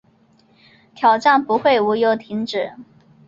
挑战不会无由停止